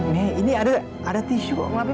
mei ini ada tisu kok ngapain pakai baju